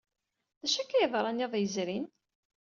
D acu akka ay yeḍran iḍ yezrin?